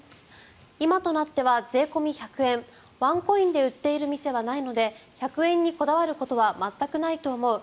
今となっては税込み１００円ワンコインで売っている店はないので１００円にこだわることは全くないと思う。